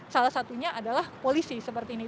salah satunya adalah polisi seperti ini